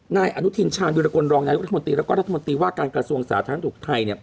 นายอนุทินชาญวิรากลรองนายกรัฐมนตรีแล้วก็รัฐมนตรีว่าการกระทรวงสาธารณสุขไทย